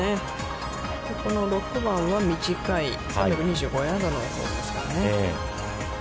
この６番は、短い、３２５ヤードのホールですかね。